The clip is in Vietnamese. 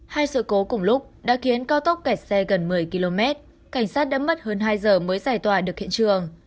hai sự cố cùng lúc đã khiến cao tốc kẹt xe gần một mươi km cảnh sát đã mất hơn hai giờ mới giải tỏa được hiện trường